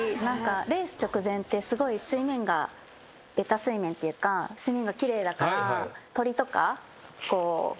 レース直前って水面がベタ水面っていうか水面が奇麗だから。